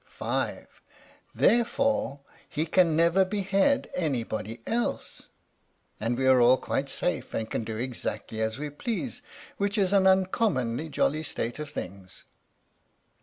(5). Therefore he can never behead anybody else, and we are all quite safe and can do exactly as we please, which is an uncommonly jolly state of things.